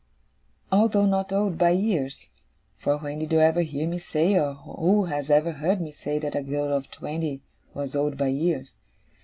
Although not old by years for when did you ever hear me say, or who has ever heard me say, that a girl of twenty was old by years!